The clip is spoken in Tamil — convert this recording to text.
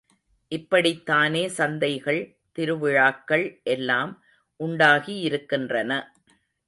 இப்படித் தானே சந்தைகள், திருவிழாக்கள் எல்லாம் உண்டாகியிருக்கின்றன.